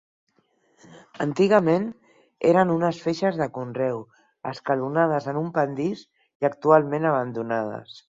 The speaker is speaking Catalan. Antigament eren unes feixes de conreu, escalonades en un pendís i actualment abandonades.